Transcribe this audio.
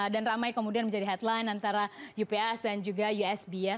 dan ramai kemudian menjadi headline antara ups dan juga usb